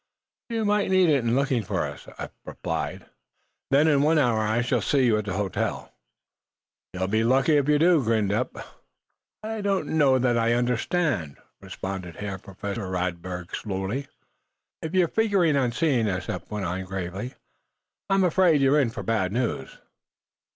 "You might need it in looking for us," Eph replied. "Then, in one hour, I shall see you at the hotel!" "You'll be lucky, if you do," grinned Eph. "Eh? I do not know that I understand," responded Herr Professor Radberg, slowly. "If you're figuring on seeing us," Eph went on, gravely, "I'm afraid you're in for bad news."